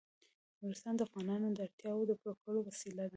نورستان د افغانانو د اړتیاوو د پوره کولو وسیله ده.